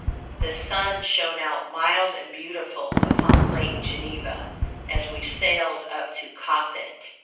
The sun shone out mild and beautiful upon Lake Geneva, as we sailed up to Coppet.